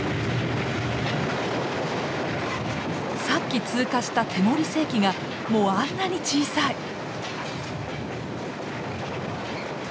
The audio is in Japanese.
さっき通過したテモリス駅がもうあんなに小さい！